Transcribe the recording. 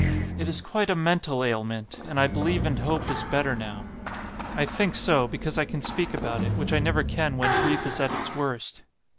It is quite a mental ailment, and I believe and hope is better now. I think so, because I can speak about it, which I never can when grief is at its worst.